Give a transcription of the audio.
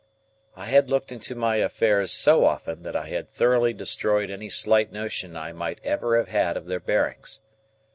I had looked into my affairs so often, that I had thoroughly destroyed any slight notion I might ever have had of their bearings.